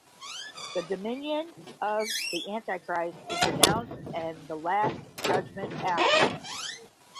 The dominion of the Antichrist is announced and the Last Judgment after.